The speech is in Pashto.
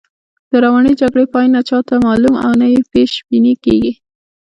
د روانې جګړې پای نه چاته معلوم او نه یې پیش بیني کېږي.